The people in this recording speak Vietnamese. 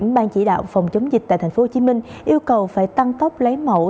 những bang chỉ đạo phòng chống dịch tại tp hcm yêu cầu phải tăng tốc lấy mẫu